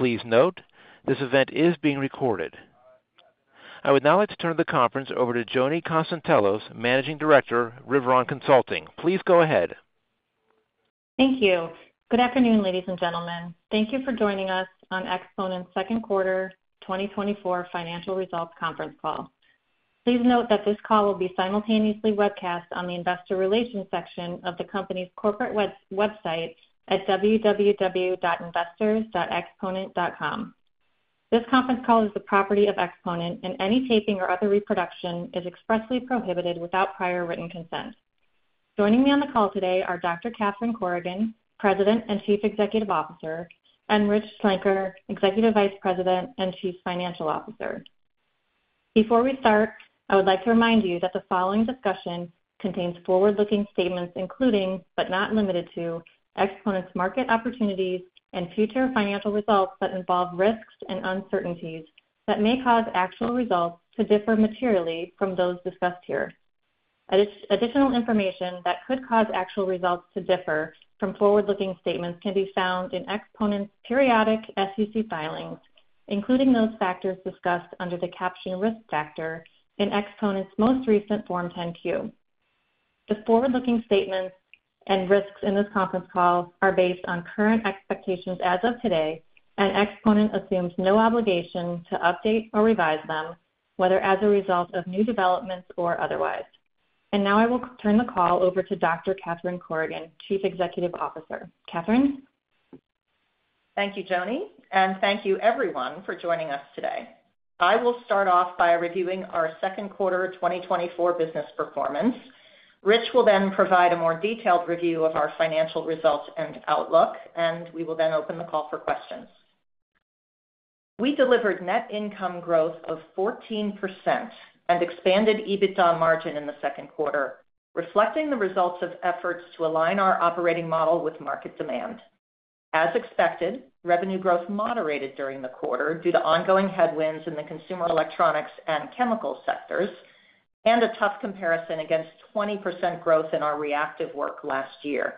Please note, this event is being recorded. I would now like to turn the conference over to Joni Konstantelos, Managing Director, Riveron. Please go ahead. Thank you. Good afternoon, ladies and gentlemen. Thank you for joining us on Exponent's second quarter 2024 financial results conference call. Please note that this call will be simultaneously webcast on the investor relations section of the company's corporate website at www.investors.exponent.com. This conference call is the property of Exponent, and any taping or other reproduction is expressly prohibited without prior written consent. Joining me on the call today are Dr. Catherine Corrigan, President and Chief Executive Officer, and Rich Schlenker, Executive Vice President and Chief Financial Officer. Before we start, I would like to remind you that the following discussion contains forward-looking statements, including, but not limited to, Exponent's market opportunities and future financial results, that involve risks and uncertainties that may cause actual results to differ materially from those discussed here. Additional information that could cause actual results to differ from forward-looking statements can be found in Exponent's periodic SEC filings, including those factors discussed under the caption Risk Factor in Exponent's most recent Form 10-Q. The forward-looking statements and risks in this conference call are based on current expectations as of today, and Exponent assumes no obligation to update or revise them, whether as a result of new developments or otherwise. Now I will turn the call over to Dr. Catherine Corrigan, Chief Executive Officer. Catherine? Thank you, Joni, and thank you everyone for joining us today. I will start off by reviewing our second quarter 2024 business performance. Rich will then provide a more detailed review of our financial results and outlook, and we will then open the call for questions. We delivered net income growth of 14% and expanded EBITDA margin in the second quarter, reflecting the results of efforts to align our operating model with market demand. As expected, revenue growth moderated during the quarter due to ongoing headwinds in the consumer electronics and chemical sectors and a tough comparison against 20% growth in our reactive work last year.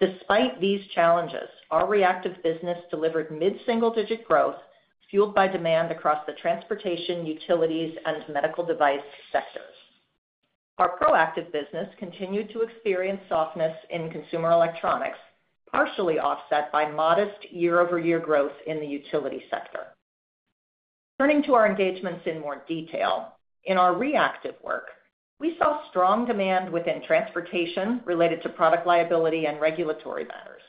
Despite these challenges, our reactive business delivered mid-single digit growth, fueled by demand across the transportation, utilities, and medical device sectors. Our proactive business continued to experience softness in consumer electronics, partially offset by modest year-over-year growth in the utility sector. Turning to our engagements in more detail, in our reactive work, we saw strong demand within transportation related to product liability and regulatory matters.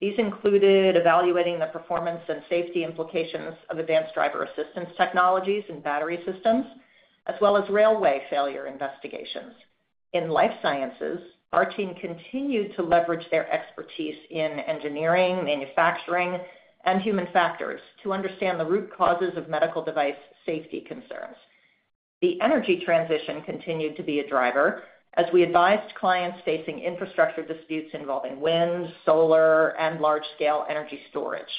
These included evaluating the performance and safety implications of advanced driver assistance technologies and battery systems, as well as railway failure investigations. In life sciences, our team continued to leverage their expertise in engineering, manufacturing, and human factors to understand the root causes of medical device safety concerns. The energy transition continued to be a driver as we advised clients facing infrastructure disputes involving wind, solar, and large-scale energy storage.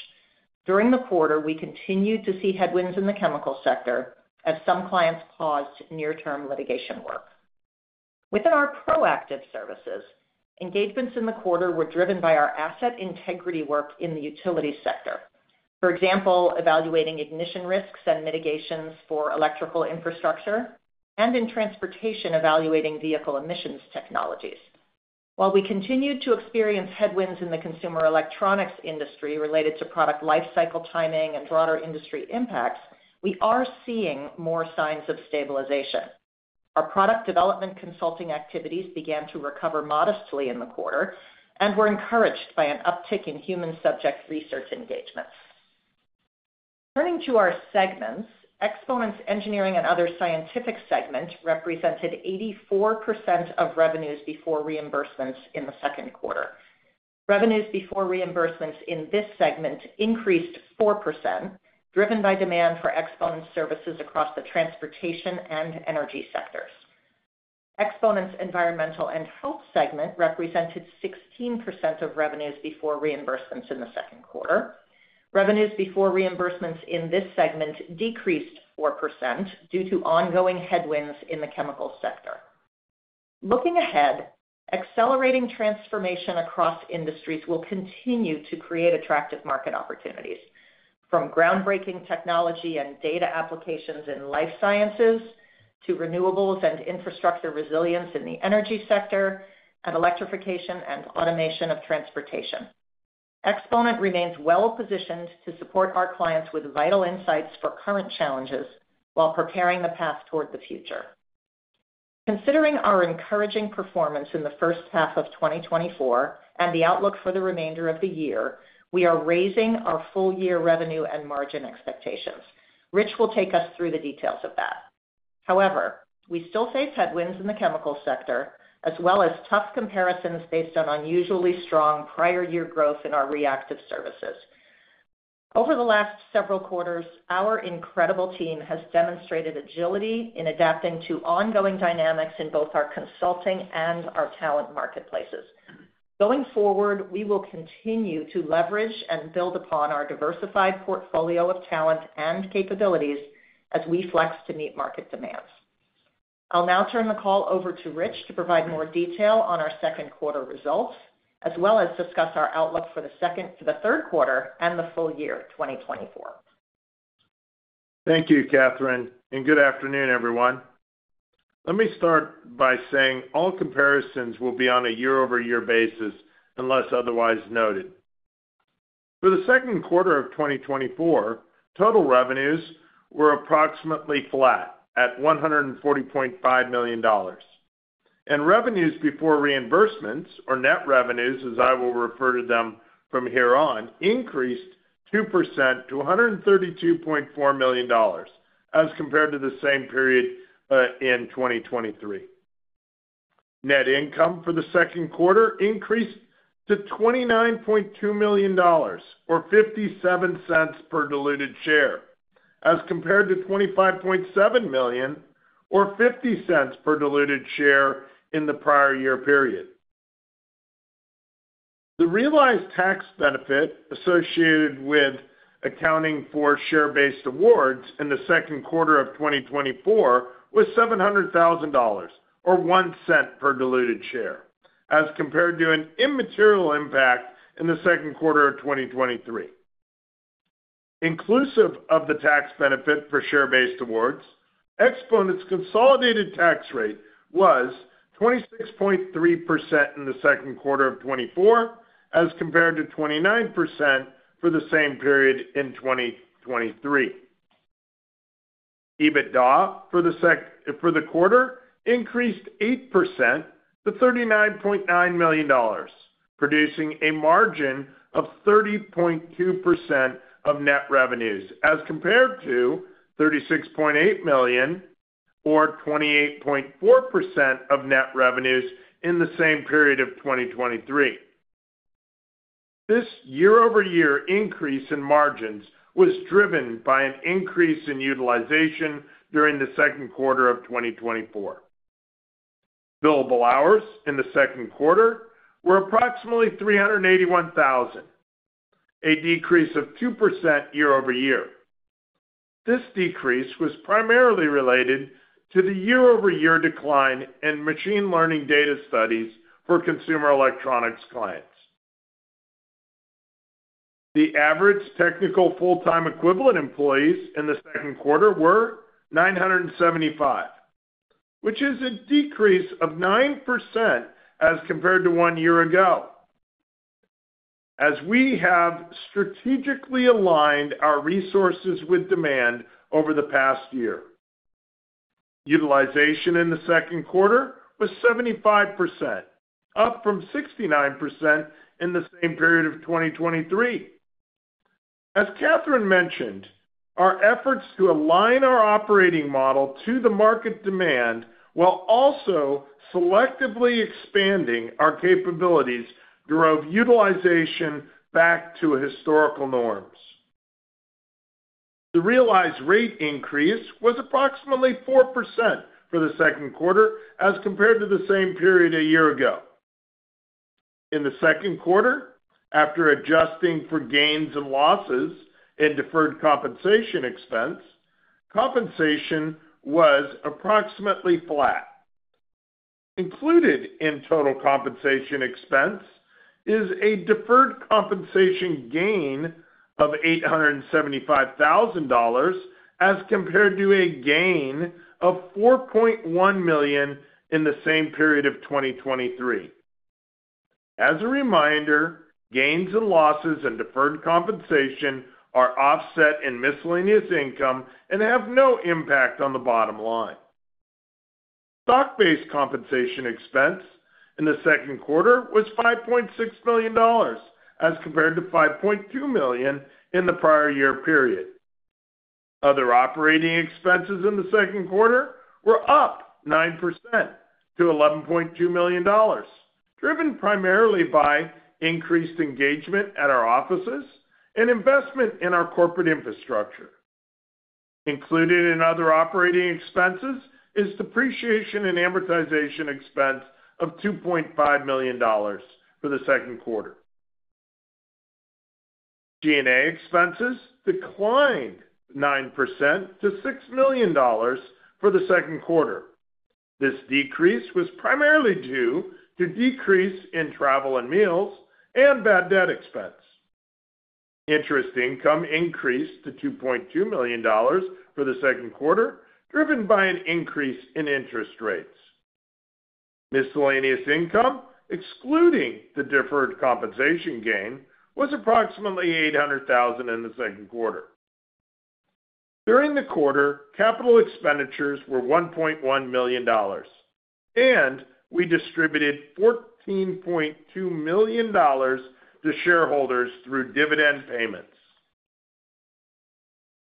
During the quarter, we continued to see headwinds in the chemical sector as some clients paused near-term litigation work. Within our proactive services, engagements in the quarter were driven by our asset integrity work in the utility sector. For example, evaluating ignition risks and mitigations for electrical infrastructure, and in transportation, evaluating vehicle emissions technologies. While we continued to experience headwinds in the consumer electronics industry related to product lifecycle, timing, and broader industry impacts, we are seeing more signs of stabilization. Our product development consulting activities began to recover modestly in the quarter and were encouraged by an uptick in human subject research engagements. Turning to our segments, Exponent's Engineering and Other Scientific segment represented 84% of revenues before reimbursements in the second quarter. Revenues before reimbursements in this segment increased 4%, driven by demand for Exponent services across the transportation and energy sectors. Exponent's Environmental and Health segment represented 16% of revenues before reimbursements in the second quarter. Revenues before reimbursements in this segment decreased 4% due to ongoing headwinds in the chemical sector. Looking ahead, accelerating transformation across industries will continue to create attractive market opportunities, from groundbreaking technology and data applications in life sciences to renewables and infrastructure resilience in the energy sector and electrification and automation of transportation. Exponent remains well positioned to support our clients with vital insights for current challenges while preparing the path toward the future. Considering our encouraging performance in the first half of 2024 and the outlook for the remainder of the year, we are raising our full year revenue and margin expectations. Rich will take us through the details of that. However, we still face headwinds in the chemical sector, as well as tough comparisons based on unusually strong prior year growth in our reactive services. Over the last several quarters, our incredible team has demonstrated agility in adapting to ongoing dynamics in both our consulting and our talent marketplaces. Going forward, we will continue to leverage and build upon our diversified portfolio of talent and capabilities as we flex to meet market demands. I'll now turn the call over to Rich to provide more detail on our second quarter results, as well as discuss our outlook for the third quarter and the full year 2024. Thank you, Catherine, and good afternoon, everyone. Let me start by saying all comparisons will be on a year-over-year basis, unless otherwise noted. For the second quarter of 2024, total revenues were approximately flat at $140.5 million, and revenues before reimbursements, or net revenues, as I will refer to them from here on, increased 2% to $132.4 million, as compared to the same period in 2023. Net income for the second quarter increased to $29.2 million, or $0.57 per diluted share, as compared to $25.7 million or $0.50 per diluted share in the prior year period. The realized tax benefit associated with accounting for share-based awards in the second quarter of 2024 was $700,000, or $0.01 per diluted share, as compared to an immaterial impact in the second quarter of 2023. Inclusive of the tax benefit for share-based awards, Exponent's consolidated tax rate was 26.3% in the second quarter of 2024, as compared to 29% for the same period in 2023. EBITDA for the quarter increased 8% to $39.9 million, producing a margin of 30.2% of net revenues, as compared to $36.8 million, or 28.4% of net revenues in the same period of 2023. This year-over-year increase in margins was driven by an increase in utilization during the second quarter of 2024. Billable hours in the second quarter were approximately 381,000, a decrease of 2% year-over-year. This decrease was primarily related to the year-over-year decline in machine learning data studies for consumer electronics clients. The average technical full-time equivalent employees in the second quarter were 975, which is a decrease of 9% as compared to one year ago, as we have strategically aligned our resources with demand over the past year. Utilization in the second quarter was 75%, up from 69% in the same period of 2023. As Catherine mentioned, our efforts to align our operating model to the market demand, while also selectively expanding our capabilities, drove utilization back to historical norms. The realized rate increase was approximately 4% for the second quarter as compared to the same period a year ago. In the second quarter, after adjusting for gains and losses in deferred compensation expense, compensation was approximately flat. Included in total compensation expense is a deferred compensation gain of $875,000, as compared to a gain of $4.1 million in the same period of 2023. As a reminder, gains and losses and deferred compensation are offset in miscellaneous income and have no impact on the bottom line. Stock-based compensation expense in the second quarter was $5.6 million, as compared to $5.2 million in the prior year period. Other operating expenses in the second quarter were up 9% to $11.2 million, driven primarily by increased engagement at our offices and investment in our corporate infrastructure. Included in other operating expenses is depreciation and amortization expense of $2.5 million for the second quarter. G&A expenses declined 9% to $6 million for the second quarter. This decrease was primarily due to decrease in travel and meals and bad debt expense. Interest income increased to $2.2 million for the second quarter, driven by an increase in interest rates. Miscellaneous income, excluding the deferred compensation gain, was approximately $800,000 in the second quarter. During the quarter, capital expenditures were $1.1 million, and we distributed $14.2 million to shareholders through dividend payments.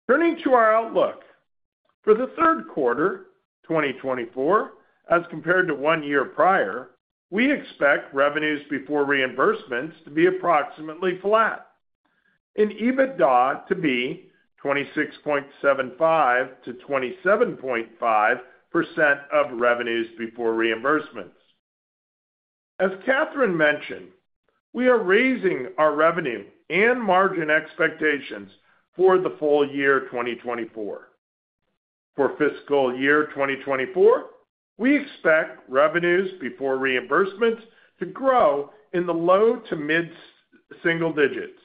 Turning to our outlook. For the third quarter, 2024, as compared to one year prior, we expect revenues before reimbursements to be approximately flat and EBITDA to be 26.75%-27.5% of revenues before reimbursements. As Catherine mentioned, we are raising our revenue and margin expectations for the full year 2024. For fiscal year 2024, we expect revenues before reimbursements to grow in the low- to mid-single digits,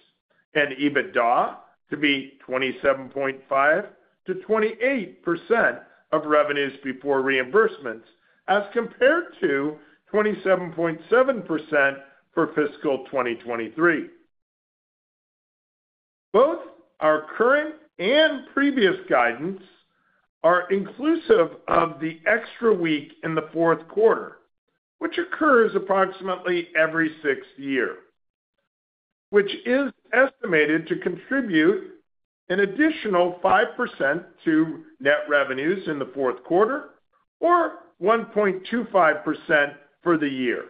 and EBITDA to be 27.5%-28% of revenues before reimbursements, as compared to 27.7% for fiscal 2023. Both our current and previous guidance are inclusive of the extra week in the fourth quarter, which occurs approximately every sixth year, which is estimated to contribute an additional 5% to net revenues in the fourth quarter or 1.25% for the year.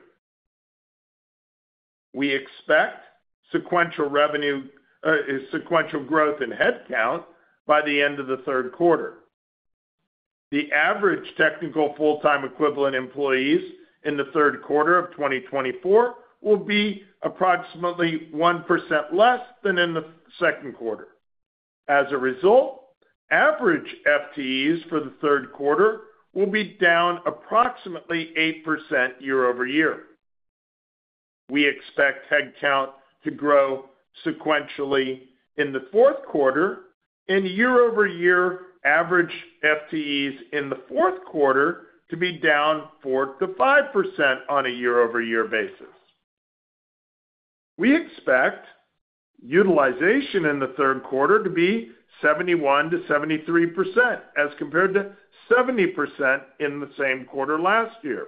We expect sequential revenue, sequential growth in headcount by the end of the third quarter. The average technical full-time equivalent employees in the third quarter of 2024 will be approximately 1% less than in the second quarter. As a result, average FTEs for the third quarter will be down approximately 8% year-over-year. We expect headcount to grow sequentially in the fourth quarter and year-over-year average FTEs in the fourth quarter to be down 4%-5% on a year-over-year basis. We expect utilization in the third quarter to be 71%-73%, as compared to 70% in the same quarter last year.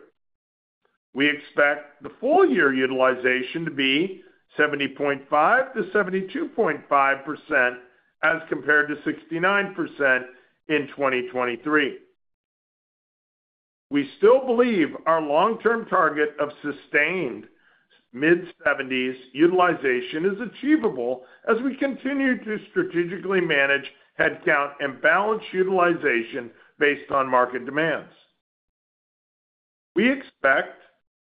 We expect the full year utilization to be 70.5%-72.5%, as compared to 69% in 2023. We still believe our long-term target of sustained mid-seventies utilization is achievable as we continue to strategically manage headcount and balance utilization based on market demands. We expect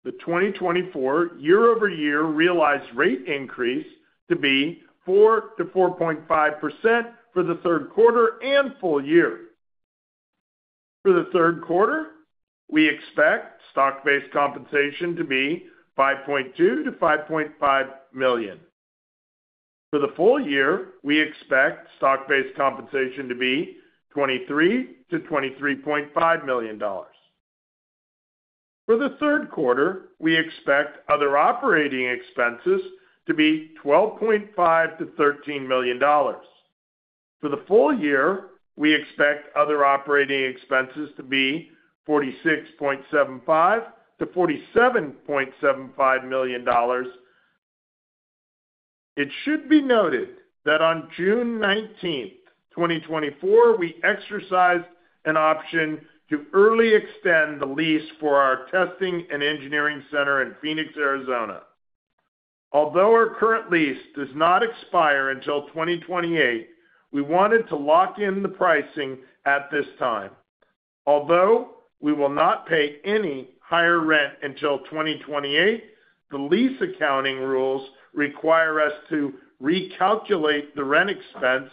the 2024 year-over-year realized rate increase to be 4%-4.5% for the third quarter and full year. For the third quarter, we expect stock-based compensation to be $5.2 million-$5.5 million. For the full year, we expect stock-based compensation to be $23 million-$23.5 million. For the third quarter, we expect other operating expenses to be $12.5 million-$13 million. For the full year, we expect other operating expenses to be $46.75 million-$47.75 million. It should be noted that on June 19, 2024, we exercised an option to early extend the lease for our testing and engineering center in Phoenix, Arizona. Although our current lease does not expire until 2028, we wanted to lock in the pricing at this time. Although we will not pay any higher rent until 2028, the lease accounting rules require us to recalculate the rent expense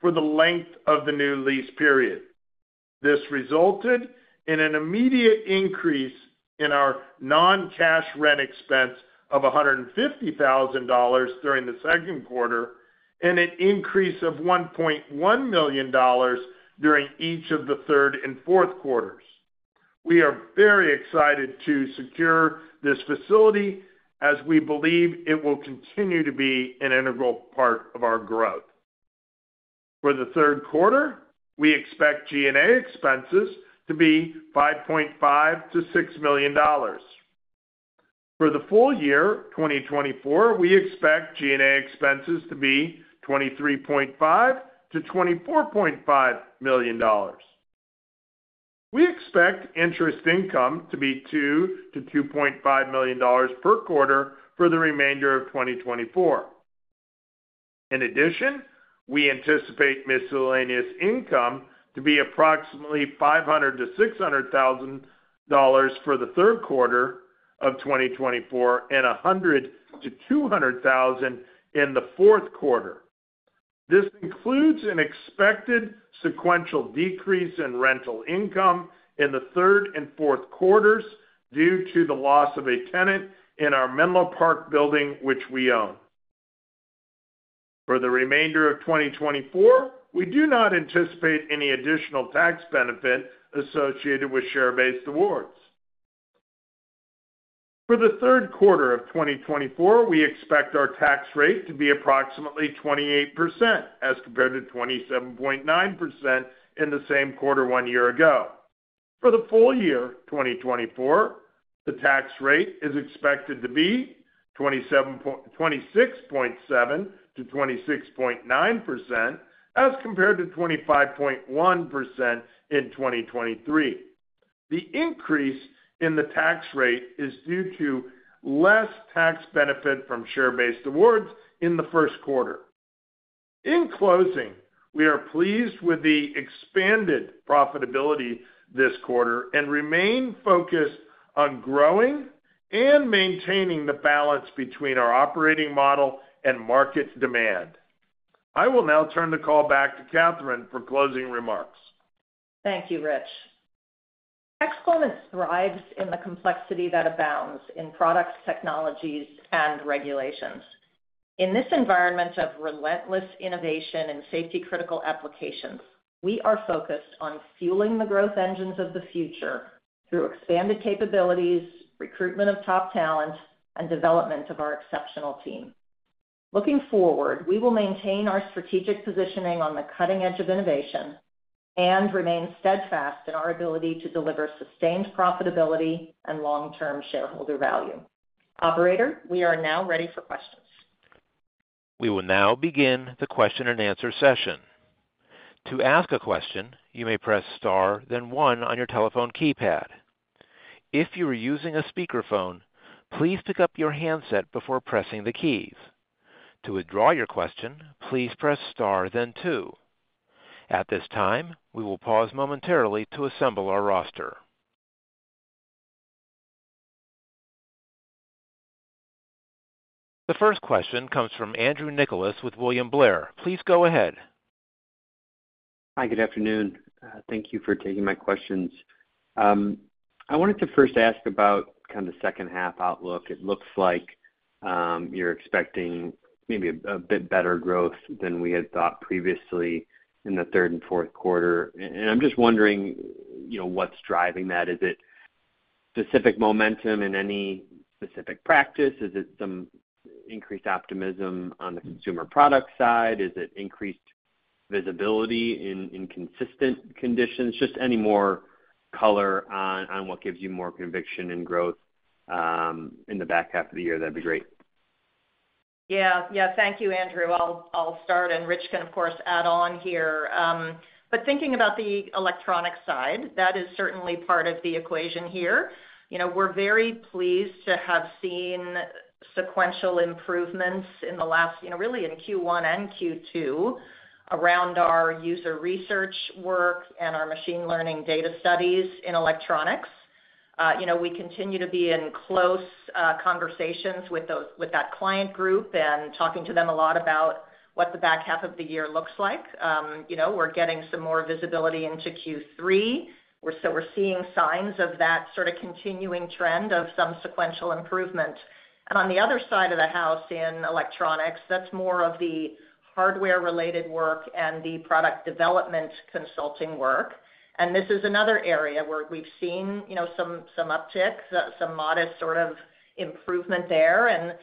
for the length of the new lease period. This resulted in an immediate increase in our non-cash rent expense of $150,000 during the second quarter, and an increase of $1.1 million during each of the third and fourth quarters. We are very excited to secure this facility as we believe it will continue to be an integral part of our growth. For the third quarter, we expect G&A expenses to be $5.5 million-$6 million. For the full year 2024, we expect G&A expenses to be $23.5 million-$24.5 million. We expect interest income to be $2 million-$2.5 million per quarter for the remainder of 2024. In addition, we anticipate miscellaneous income to be approximately $500,000-$600,000 for the third quarter of 2024, and $100,000-$200,000 in the fourth quarter. This includes an expected sequential decrease in rental income in the third and fourth quarters due to the loss of a tenant in our Menlo Park building, which we own. For the remainder of 2024, we do not anticipate any additional tax benefit associated with share-based awards. For the third quarter of 2024, we expect our tax rate to be approximately 28%, as compared to 27.9% in the same quarter one year ago. For the full year, 2024, the tax rate is expected to be 26.7%-26.9%, as compared to 25.1% in 2023. The increase in the tax rate is due to less tax benefit from share-based awards in the first quarter.... In closing, we are pleased with the expanded profitability this quarter and remain focused on growing and maintaining the balance between our operating model and market demand. I will now turn the call back to Catherine for closing remarks. Thank you, Rich. Exponent thrives in the complexity that abounds in products, technologies, and regulations. In this environment of relentless innovation and safety-critical applications, we are focused on fueling the growth engines of the future through expanded capabilities, recruitment of top talent, and development of our exceptional team. Looking forward, we will maintain our strategic positioning on the cutting edge of innovation and remain steadfast in our ability to deliver sustained profitability and long-term shareholder value. Operator, we are now ready for questions. We will now begin the question-and-answer session. To ask a question, you may press star, then one on your telephone keypad. If you are using a speakerphone, please pick up your handset before pressing the keys. To withdraw your question, please press star then two. At this time, we will pause momentarily to assemble our roster. The first question comes from Andrew Nicholas with William Blair. Please go ahead. Hi, good afternoon. Thank you for taking my questions. I wanted to first ask about kind of the second half outlook. It looks like you're expecting maybe a bit better growth than we had thought previously in the third and fourth quarter. And I'm just wondering, you know, what's driving that? Is it specific momentum in any specific practice? Is it some increased optimism on the consumer product side? Is it increased visibility in consistent conditions? Just any more color on what gives you more conviction in growth in the back half of the year, that'd be great. Yeah. Yeah. Thank you, Andrew. I'll start, and Rich can, of course, add on here. But thinking about the electronic side, that is certainly part of the equation here. You know, we're very pleased to have seen sequential improvements in the last, you know, really in Q1 and Q2, around our user research work and our machine learning data studies in electronics. You know, we continue to be in close conversations with that client group and talking to them a lot about what the back half of the year looks like. You know, we're getting some more visibility into Q3. We're seeing signs of that sort of continuing trend of some sequential improvement. And on the other side of the house, in electronics, that's more of the hardware-related work and the product development consulting work. This is another area where we've seen, you know, some upticks, some modest sort of improvement there.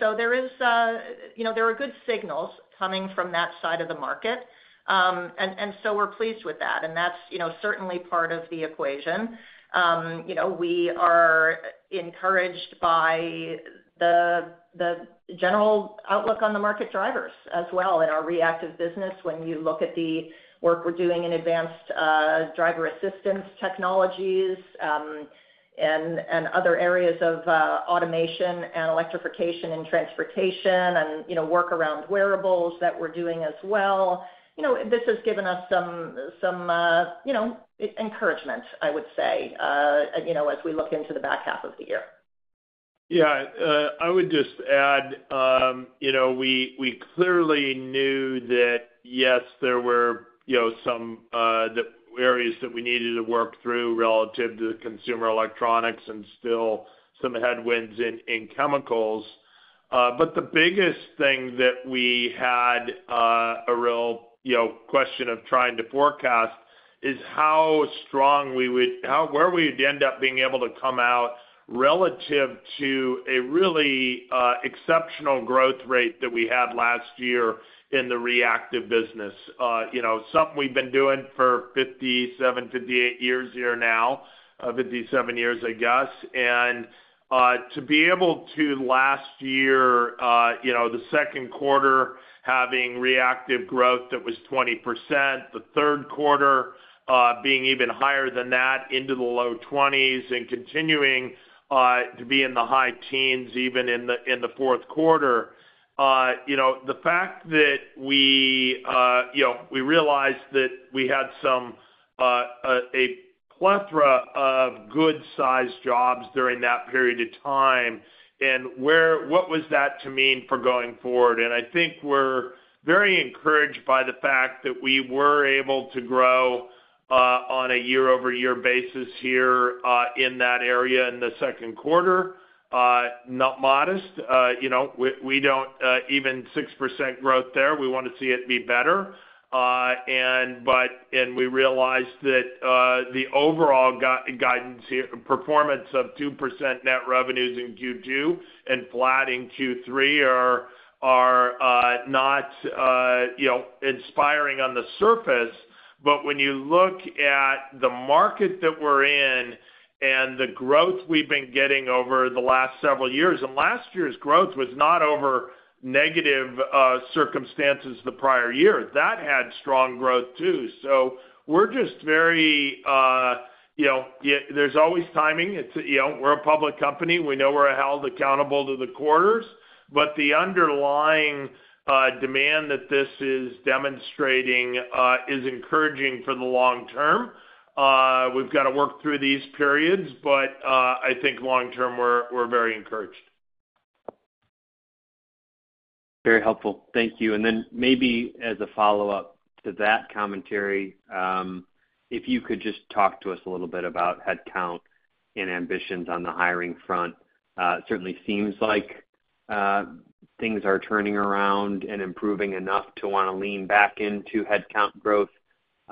So there is, you know, there are good signals coming from that side of the market. So we're pleased with that, and that's, you know, certainly part of the equation. You know, we are encouraged by the general outlook on the market drivers as well in our reactive business when you look at the work we're doing in Advanced Driver Assistance Technologies, and other areas of automation and electrification and transportation and, you know, work around wearables that we're doing as well. You know, this has given us some encouragement, I would say, you know, as we look into the back half of the year. Yeah, I would just add, you know, we clearly knew that, yes, there were, you know, some areas that we needed to work through relative to the consumer electronics and still some headwinds in chemicals. But the biggest thing that we had a real, you know, question of trying to forecast is how strong we would—where we'd end up being able to come out relative to a really exceptional growth rate that we had last year in the reactive business. You know, something we've been doing for 57, 58 years here now, 57 years, I guess. And, to be able to last year, you know, the second quarter, having reactive growth that was 20%, the third quarter, being even higher than that, into the low 20s%, and continuing, to be in the high teens%, even in the, in the fourth quarter. You know, the fact that we, you know, we realized that we had some a plethora of good-sized jobs during that period of time, and what was that to mean for going forward? And I think we're very encouraged by the fact that we were able to grow, on a year-over-year basis here, in that area in the second quarter. Not modest, you know, we, we don't, even 6% growth there, we want to see it be better. We realized that the overall guidance here, performance of 2% net revenues in Q2 and flat in Q3 are not, you know, inspiring on the surface. But when you look at the market that we're in and the growth we've been getting over the last several years, and last year's growth was not over negative circumstances the prior year. That had strong growth, too. So we're just very, you know, yeah, there's always timing. It's, you know, we're a public company. We know we're held accountable to the quarters, but the underlying demand that this is demonstrating is encouraging for the long term. We've got to work through these periods, but I think long term, we're very encouraged. Very helpful. Thank you. Then maybe as a follow-up to that commentary, if you could just talk to us a little bit about headcount and ambitions on the hiring front. It certainly seems like things are turning around and improving enough to wanna lean back into headcount growth.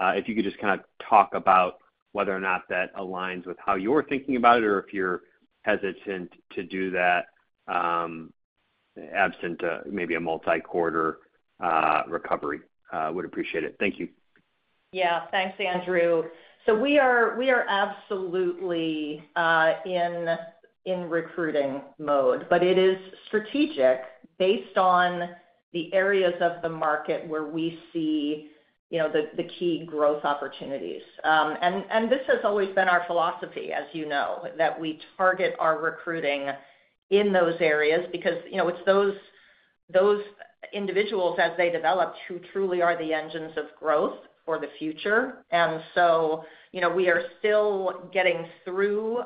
If you could just kind of talk about whether or not that aligns with how you're thinking about it, or if you're hesitant to do that, absent maybe a multi-quarter recovery, would appreciate it. Thank you. Yeah. Thanks, Andrew. So we are, we are absolutely in recruiting mode, but it is strategic based on the areas of the market where we see, you know, the key growth opportunities. And this has always been our philosophy, as you know, that we target our recruiting in those areas because, you know, it's those individuals, as they develop, who truly are the engines of growth for the future. And so, you know, we are still getting through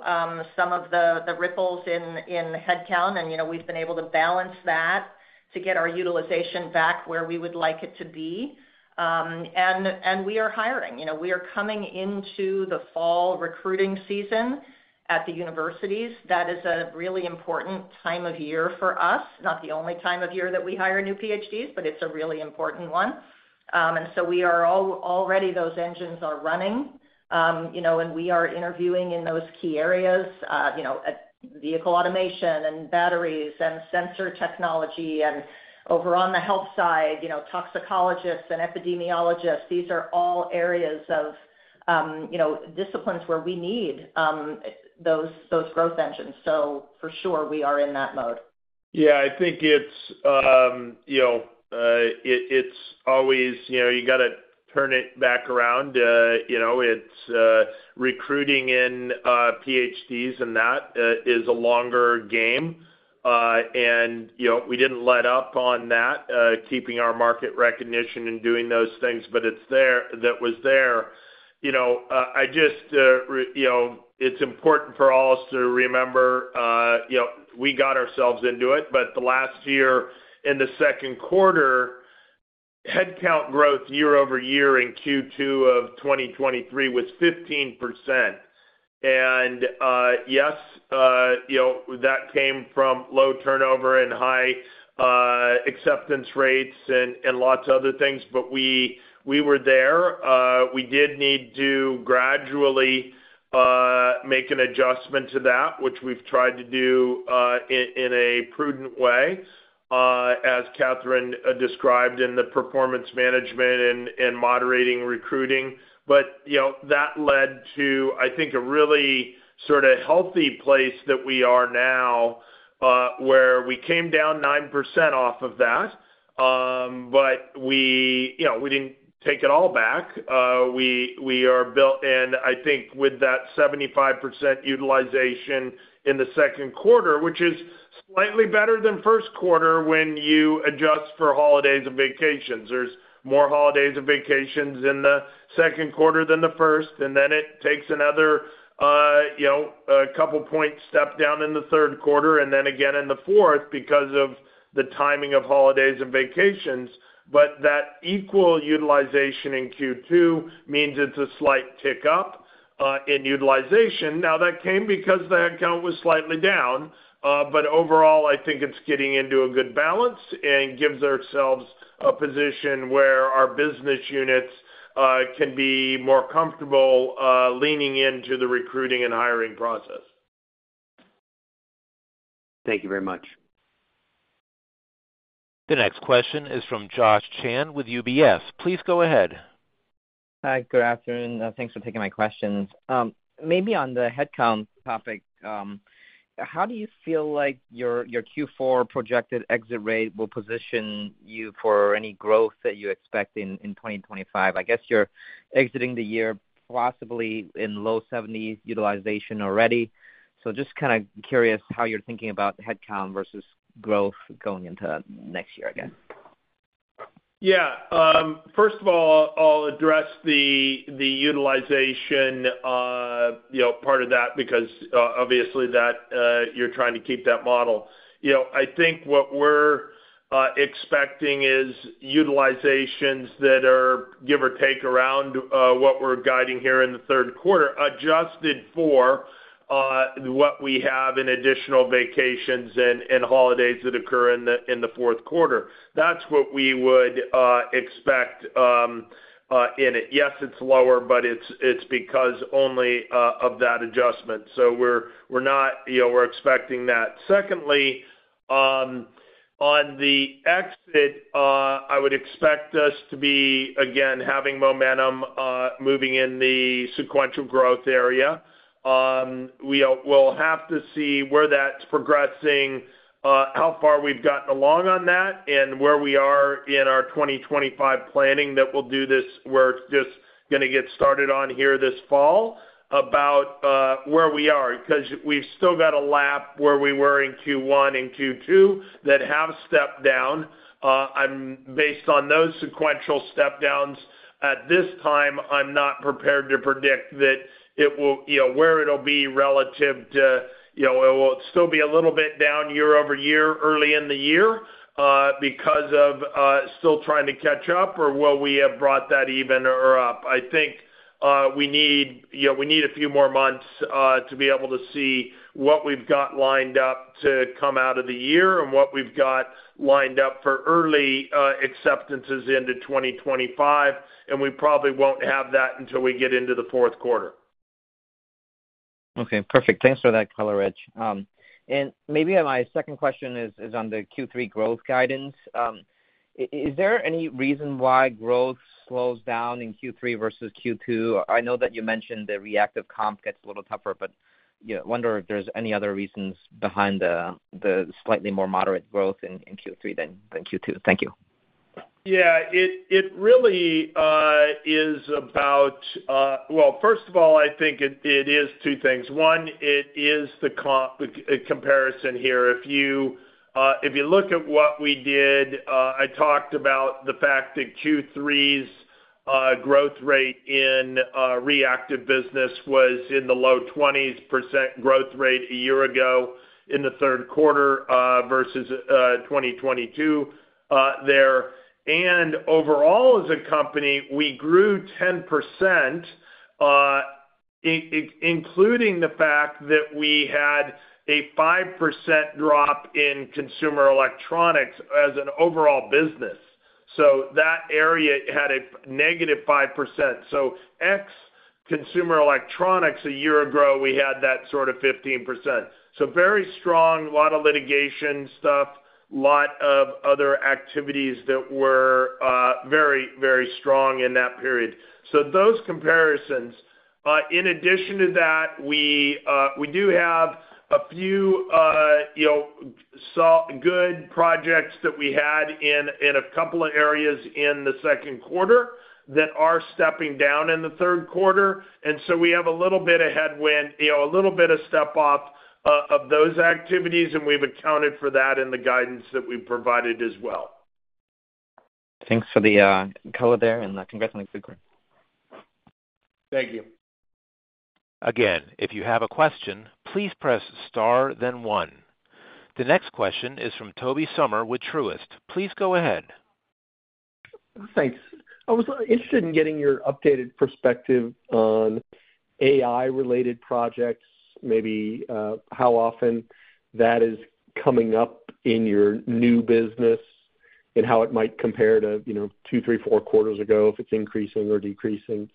some of the ripples in headcount, and, you know, we've been able to balance that to get our utilization back where we would like it to be. And we are hiring. You know, we are coming into the fall recruiting season at the universities. That is a really important time of year for us. Not the only time of year that we hire new PhDs, but it's a really important one. And so we are already those engines are running, you know, and we are interviewing in those key areas, you know, vehicle automation and batteries and sensor technology, and over on the health side, you know, toxicologists and epidemiologists. These are all areas of, you know, disciplines where we need those, those growth engines. So for sure, we are in that mode. Yeah, I think it's, you know, it's always, you know, you gotta turn it back around. You know, it's recruiting in PhDs, and that is a longer game. And, you know, we didn't let up on that, keeping our market recognition and doing those things, but it's there, that was there. You know, I just, you know, it's important for all of us to remember, you know, we got ourselves into it, but the last year, in the second quarter, headcount growth year-over-year in Q2 of 2023 was 15%. And, yes, you know, that came from low turnover and high acceptance rates and, and lots of other things, but we, we were there. We did need to gradually make an adjustment to that, which we've tried to do in a prudent way, as Catherine described in the performance management and moderating recruiting. But, you know, that led to, I think, a really sort of healthy place that we are now, where we came down 9% off of that. But we, you know, we didn't take it all back. We, we are built, and I think with that 75% utilization in the second quarter, which is slightly better than first quarter, when you adjust for holidays and vacations. There's more holidays and vacations in the second quarter than the first, and then it takes another, you know, a couple point step down in the third quarter, and then again in the fourth because of the timing of holidays and vacations. But that equal utilization in Q2 means it's a slight tick-up in utilization. Now, that came because the headcount was slightly down, but overall, I think it's getting into a good balance and gives ourselves a position where our business units can be more comfortable leaning into the recruiting and hiring process. Thank you very much. The next question is from Josh Chan with UBS. Please go ahead. Hi, good afternoon. Thanks for taking my questions. Maybe on the headcount topic, how do you feel like your Q4 projected exit rate will position you for any growth that you expect in 2025? I guess you're exiting the year possibly in low 70s% utilization already. So just kind of curious how you're thinking about headcount versus growth going into next year again. Yeah, first of all, I'll address the utilization, you know, part of that, because obviously that you're trying to keep that model. You know, I think what we're expecting is utilizations that are give or take around what we're guiding here in the third quarter, adjusted for what we have in additional vacations and holidays that occur in the fourth quarter. That's what we would expect in it. Yes, it's lower, but it's because only of that adjustment, so we're not... You know, we're expecting that. Secondly, on the exit, I would expect us to be, again, having momentum moving in the sequential growth area.... We will have to see where that's progressing, how far we've gotten along on that, and where we are in our 2025 planning that we'll do this. We're just gonna get started on here this fall, about where we are. Because we've still got a lap where we were in Q1 and Q2 that have stepped down. I'm based on those sequential step downs, at this time, I'm not prepared to predict that it will, you know, where it'll be relative to, you know, it will still be a little bit down year-over-year, early in the year, because of still trying to catch up, or will we have brought that even or up? I think, we need, you know, we need a few more months, to be able to see what we've got lined up to come out of the year and what we've got lined up for early, acceptances into 2025, and we probably won't have that until we get into the fourth quarter. Okay, perfect. Thanks for that color, Rich. And maybe my second question is on the Q3 growth guidance. Is there any reason why growth slows down in Q3 versus Q2? I know that you mentioned the reactive comp gets a little tougher, but yeah, I wonder if there's any other reasons behind the slightly more moderate growth in Q3 than Q2. Thank you. Yeah, it really is about... Well, first of all, I think it is two things. One, it is the comp comparison here. If you look at what we did, I talked about the fact that Q3's growth rate in reactive business was in the low 20s% growth rate a year ago in the third quarter versus 2022 there. And overall, as a company, we grew 10% including the fact that we had a 5% drop in consumer electronics as an overall business. So that area had a negative 5%. So ex consumer electronics, a year ago, we had that sort of 15%. So very strong, a lot of litigation stuff, lot of other activities that were very, very strong in that period. So those comparisons. In addition to that, we, we do have a few, you know, good projects that we had in a couple of areas in the second quarter that are stepping down in the third quarter. And so we have a little bit of headwind, you know, a little bit of step up of those activities, and we've accounted for that in the guidance that we provided as well. Thanks for the color there, and congratulations on the group. Thank you. Again, if you have a question, please press star, then one. The next question is from Tobey Sommer with Truist. Please go ahead. Thanks. I was interested in getting your updated perspective on AI-related projects. Maybe how often that is coming up in your new business and how it might compare to, you know, 2, 3, 4 quarters ago, if it's increasing or decreasing?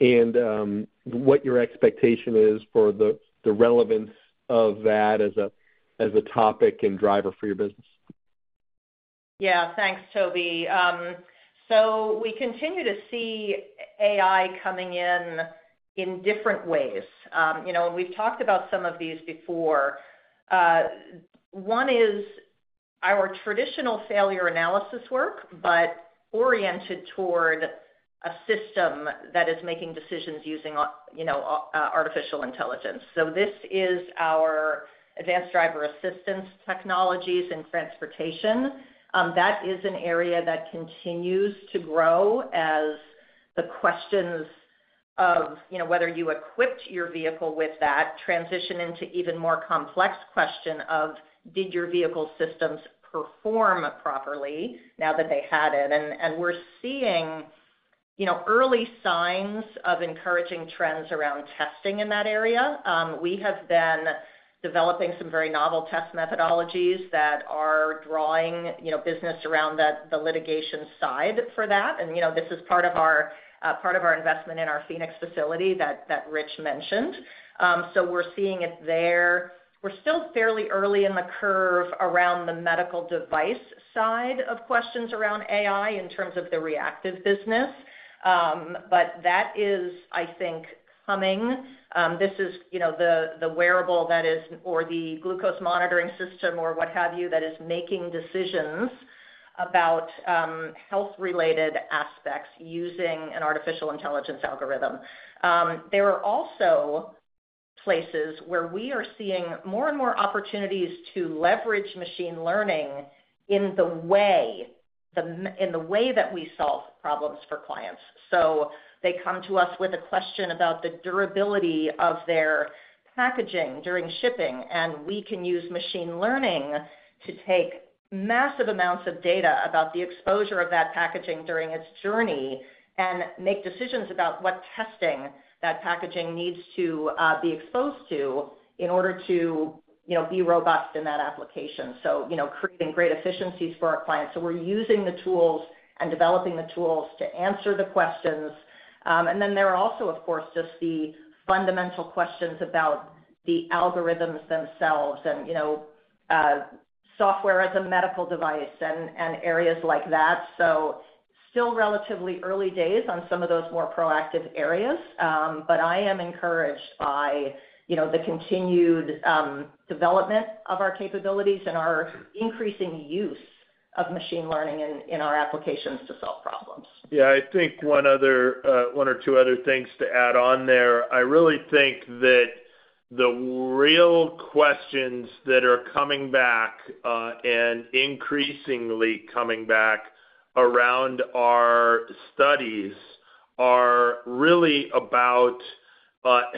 And what your expectation is for the, the relevance of that as a, as a topic and driver for your business. Yeah. Thanks, Tobey. So we continue to see AI coming in in different ways. You know, and we've talked about some of these before. One is our traditional failure analysis work, but oriented toward a system that is making decisions using, you know, artificial intelligence. So this is our Advanced Driver Assistance Technologies in transportation. That is an area that continues to grow as the questions of, you know, whether you equipped your vehicle with that, transition into even more complex question of: did your vehicle systems perform properly now that they had it? And we're seeing, you know, early signs of encouraging trends around testing in that area. We have been developing some very novel test methodologies that are drawing, you know, business around that, the litigation side for that. You know, this is part of our investment in our Phoenix facility that Rich mentioned. So we're seeing it there. We're still fairly early in the curve around the medical device side of questions around AI in terms of the reactive business. But that is, I think, coming. This is, you know, the wearable that is, or the glucose monitoring system or what have you, that is making decisions about health-related aspects using an artificial intelligence algorithm. There are also places where we are seeing more and more opportunities to leverage machine learning in the way that we solve problems for clients. So they come to us with a question about the durability of their packaging during shipping, and we can use machine learning to take massive amounts of data about the exposure of that packaging during its journey and make decisions about what testing that packaging needs to be exposed to in order to, you know, be robust in that application. So, you know, creating great efficiencies for our clients. So we're using the tools and developing the tools to answer the questions. And then there are also, of course, just the fundamental questions about the algorithms themselves and, you know, software as a medical device and, and areas like that. So still relatively early days on some of those more proactive areas. But I am encouraged by, you know, the continued development of our capabilities and our increasing use of machine learning in our applications to solve problems. Yeah, I think one other, one or two other things to add on there. I really think that the real questions that are coming back, and increasingly coming back around our studies are really about,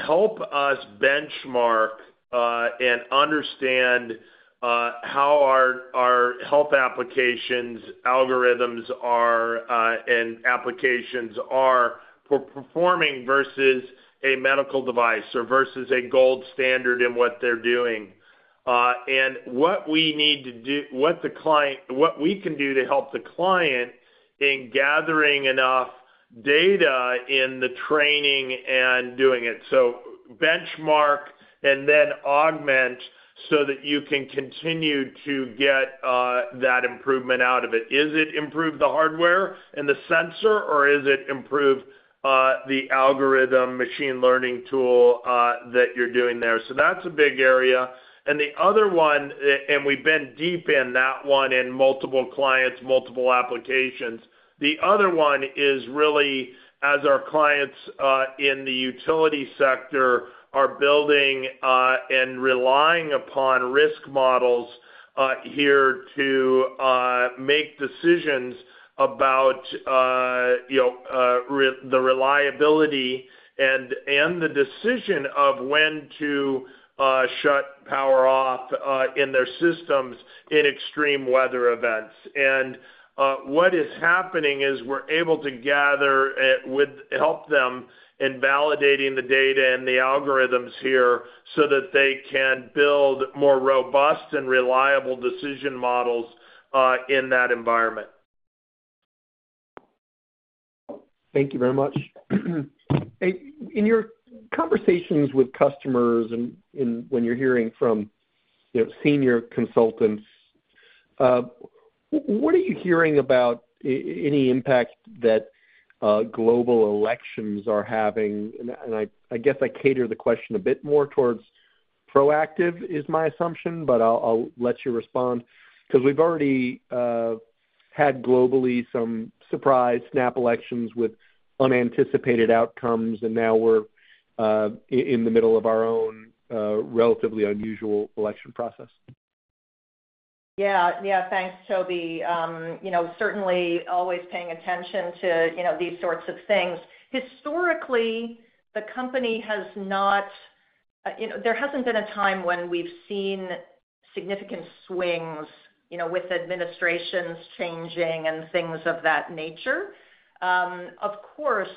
help us benchmark, and understand, how our, our health applications, algorithms are, and applications are performing versus a medical device or versus a gold standard in what they're doing. And what we need to do-- what the client-- what we can do to help the client in gathering enough data in the training and doing it. So benchmark and then augment so that you can continue to get, that improvement out of it. Is it improve the hardware and the sensor, or is it improve, the algorithm machine learning tool, that you're doing there? So that's a big area. And the other one, and we've been deep in that one in multiple clients, multiple applications. The other one is really as our clients in the utility sector are building and relying upon risk models here to make decisions about, you know, the reliability and the decision of when to shut power off in their systems in extreme weather events. And what is happening is we're able to help them in validating the data and the algorithms here so that they can build more robust and reliable decision models in that environment. Thank you very much. Hey, in your conversations with customers and in, when you're hearing from, you know, senior consultants, what are you hearing about any impact that global elections are having? And I guess I tailor the question a bit more towards proactive, is my assumption, but I'll let you respond. 'Cause we've already had globally some surprise snap elections with unanticipated outcomes, and now we're in the middle of our own relatively unusual election process. Yeah. Yeah, thanks, Tobey. You know, certainly always paying attention to, you know, these sorts of things. Historically, the company has not, you know, there hasn't been a time when we've seen significant swings, you know, with administrations changing and things of that nature. Of course,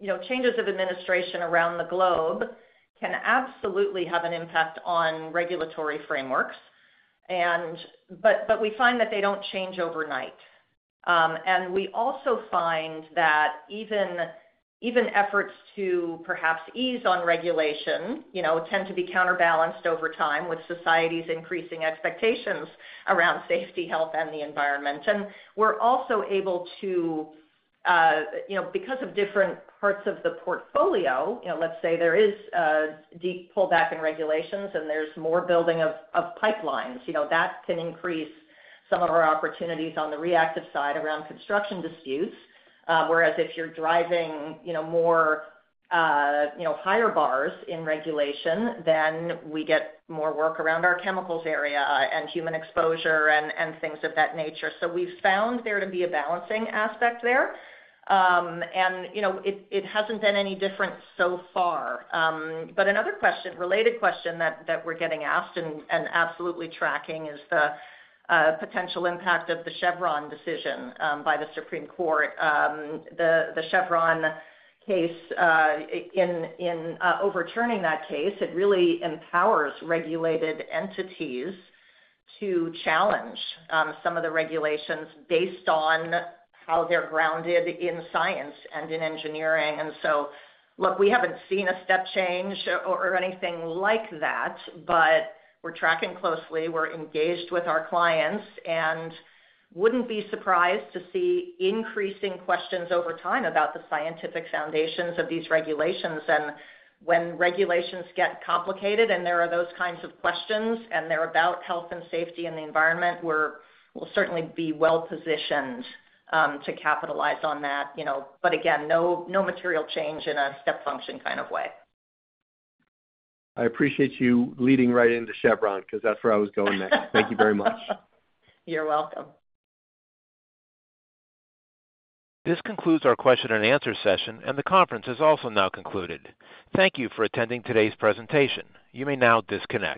you know, changes of administration around the globe can absolutely have an impact on regulatory frameworks, and, but, but we find that they don't change overnight. And we also find that even, even efforts to perhaps ease on regulation, you know, tend to be counterbalanced over time with society's increasing expectations around safety, health, and the environment. And we're also able to, you know, because of different parts of the portfolio, you know, let's say there is a deep pullback in regulations, and there's more building of, of pipelines. You know, that can increase some of our opportunities on the reactive side around construction disputes. Whereas, if you're driving, you know, more, you know, higher bars in regulation, then we get more work around our chemicals area, and human exposure and things of that nature. So we've found there to be a balancing aspect there. And, you know, it hasn't been any different so far. But another question, related question that we're getting asked and absolutely tracking is the potential impact of the Chevron decision by the Supreme Court. The Chevron case, in overturning that case, it really empowers regulated entities to challenge some of the regulations based on how they're grounded in science and in engineering. And so, look, we haven't seen a step change or anything like that, but we're tracking closely. We're engaged with our clients and wouldn't be surprised to see increasing questions over time about the scientific foundations of these regulations. And when regulations get complicated, and there are those kinds of questions, and they're about health and safety and the environment, we'll certainly be well positioned to capitalize on that, you know. But again, no, no material change in a step function kind of way. I appreciate you leading right into Chevron, 'cause that's where I was going next. Thank you very much. You're welcome. This concludes our question and answer session, and the conference is also now concluded. Thank you for attending today's presentation. You may now disconnect.